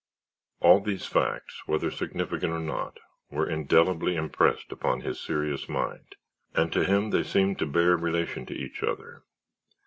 All these facts, whether significant or not, were indelibly impressed upon his serious mind, and to him they seemed to bear relation to each other.